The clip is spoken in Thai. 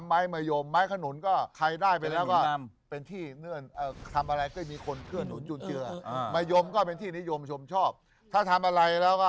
หนึ่งเป็นที่เงื่อนเนื่อง็มนั่งแกล้มได้